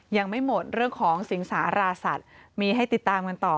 ยังไม่หมดเรื่องของสิงสาราสัตว์มีให้ติดตามกันต่อ